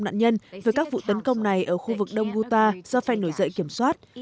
nạn nhân về các vụ tấn công này ở khu vực đông guta do phe nổi dậy kiểm soát